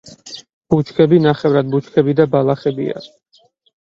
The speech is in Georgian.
ბუჩქები, ნახევრად ბუჩქები და ბალახებია.